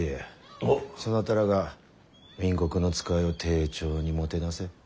そなたらが明国の使いを丁重にもてなせ。